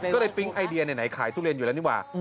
ก็เลยปิ๊งไอเดียไหนขายทุเรียนอยู่แล้วนี่ว่า